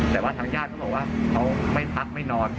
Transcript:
แต่ว่าทางญาติเขาบอกว่าเขาไม่พักไม่นอน